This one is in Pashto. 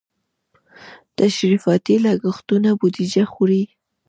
تشریفاتي لګښتونه بودیجه خوري.